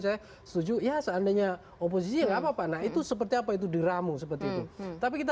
saya setuju ya seandainya oposisi enggak apa apa nah itu seperti apa itu diramu seperti itu tapi kita